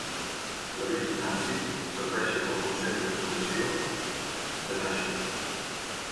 David i Nancy serveixen al consell de fundació de Nasher.